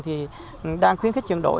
thì đang khuyến khích chuyển đổi